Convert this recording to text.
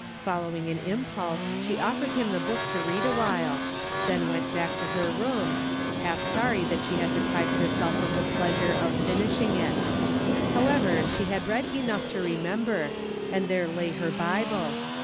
Following an impulse she offered him the book to read awhile, and then went back to her room, half sorry that she had deprived herself of the pleasure of finishing it. Flowever, she had read enough to remember, and there lay her Bible.